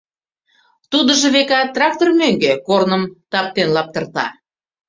Тудыжо, векат, трактор мӧҥгӧ корным таптен лаптырта.